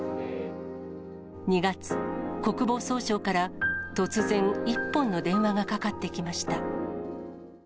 ２月、国防総省から突然、１本の電話がかかってきました。